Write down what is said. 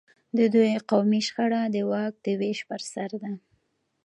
د دوی قومي شخړه د واک د وېش پر سر ده.